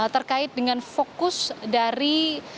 terkait dengan fokus dari